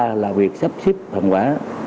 thứ ba là việc sắp xếp thành quả